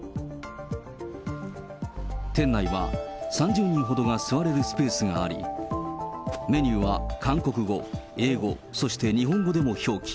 店内は３０人ほどが座れるスペースがあり、メニューは韓国語、英語、そして日本語でも表記。